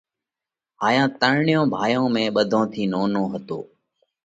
هائيون ترڻيون ڀائيون ۾ ٻڌون ٿِي نونو هتو۔